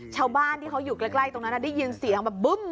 ชาวบ้านที่เขาอยู่ใกล้ตรงนั้นได้ยินเสียงแบบบึ้ม